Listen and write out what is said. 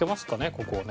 ここをね。